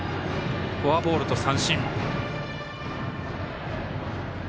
フォアボールと三振。